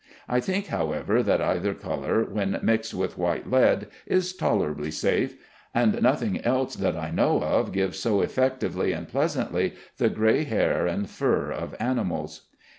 I think, however, that either color, when mixed with white lead, is tolerably safe, and nothing else that I know of gives so effectively and pleasantly the gray hair and fur of animals.